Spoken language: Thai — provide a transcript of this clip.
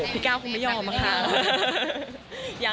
พี่ก้าวคงไม่ยอมค่ะ